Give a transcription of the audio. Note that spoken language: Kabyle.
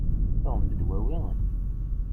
Tuɣem-d dwawi?